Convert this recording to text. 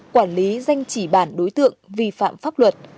quản lý danh chỉ bản đối tượng vi phạm pháp luật